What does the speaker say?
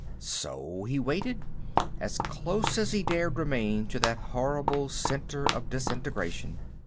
So he waited, as close as he dared remain to that horrible center of disintegration.